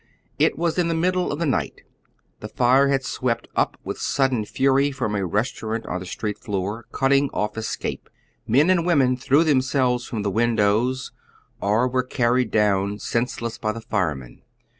It was in the middle of the night. Tlie fire had swept up with sudden fury from a restaurant on tlie street floor, cutting off escape. Men and women tiirew themselves from the windows, or were carried down senseless by the firemen.